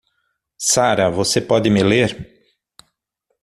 Sara você pode me ler?